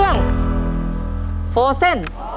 เย่